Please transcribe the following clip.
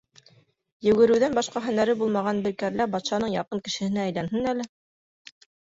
Йүгереүҙән башҡа һөнәре булмаған бер кәрлә батшаның яҡын кешеһенә әйләнһен әле!